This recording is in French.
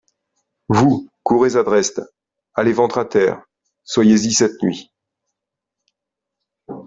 Vous, courez à Dresde ; allez ventre à terre ; soyez-y cette nuit.